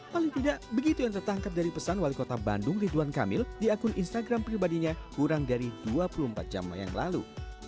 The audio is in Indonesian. paling tidak begitu yang tertangkap dari pesan wali kota bandung ridwan kamil di akun instagram pribadinya kurang dari dua puluh empat jam yang lalu